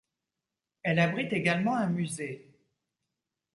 Elle abrite également un musée.